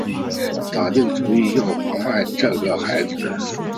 打定主意要宠爱着这个孩子